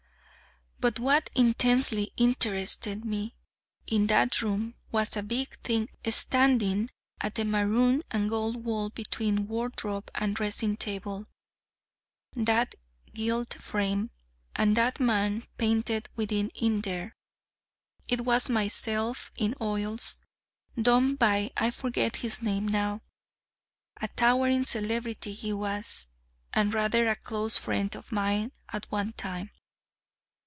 But what intensely interested me in that room was a big thing standing at the maroon and gold wall between wardrobe and dressing table that gilt frame and that man painted within it there. It was myself in oils, done by I forget his name now: a towering celebrity he was, and rather a close friend of mine at one time.